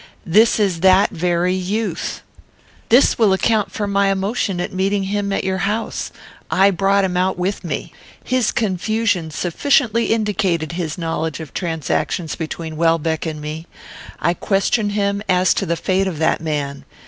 This is that very youth. "This will account for my emotion at meeting him at your house; I brought him out with me. His confusion sufficiently indicated his knowledge of transactions between Welbeck and me. I questioned him as to the fate of that man.